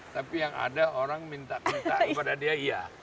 tapi yang ada orang minta minta kepada dia iya